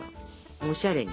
おしゃれに。